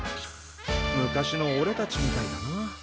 昔のおれたちみたいだな。